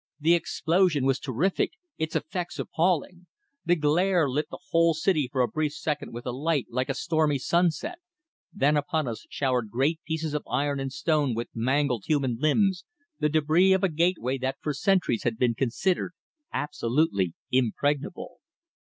The explosion was terrific; its effect appalling. The glare lit the whole city for a brief second with a light like a stormy sunset, then upon us showered great pieces of iron and stone with mangled human limbs, the débris of a gateway that for centuries had been considered absolutely impregnable.